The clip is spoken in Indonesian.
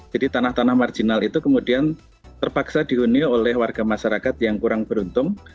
jadi tanah tanah marginal itu kemudian terpaksa dihuni oleh warga masyarakat yang kurang beruntung